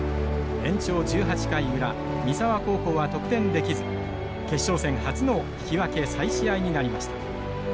延長１８回裏三沢高校は得点できず決勝戦初の引き分け再試合になりました。